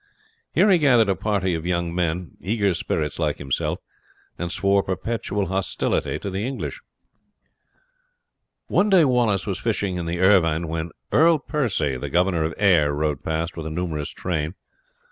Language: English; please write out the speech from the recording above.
Here he gathered a party of young men, eager spirits like himself, and swore perpetual hostility to the English. One day Wallace was fishing in the Irvine when Earl Percy, the governor of Ayr, rode past with a numerous train.